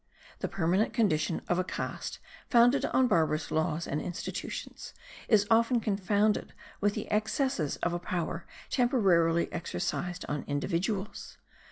The permanent condition of a caste founded on barbarous laws and institutions is often confounded with the excesses of a power temporarily exercised on individuals.